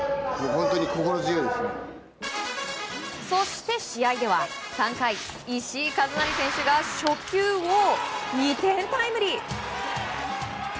そして試合では３回、石井一成選手が初球を２点タイムリー。